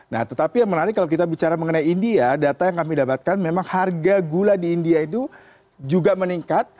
nah tetapi yang menarik kalau kita bicara mengenai india data yang kami dapatkan memang harga gula di india itu juga meningkat